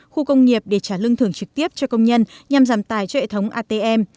khu công nghiệp để trả lương thưởng trực tiếp cho công nhân nhằm giảm tài cho hệ thống atm